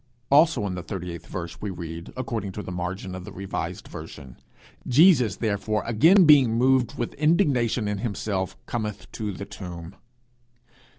Also in the thirty eighth verse we read, according to the margin of the revised version, 'Jesus therefore again being moved with indignation in himself cometh to the tomb.'